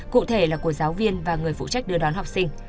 cụ thể là của giáo viên và người phụ trách đưa đón học sinh